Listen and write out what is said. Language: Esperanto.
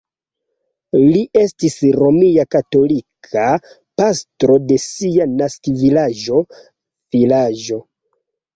Li estis romia katolika pastro de sia naskiĝvilaĝo vilaĝo.